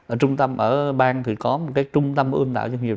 ở trung tâm ở bang thì có một cái trung tâm ương tạo doanh nghiệp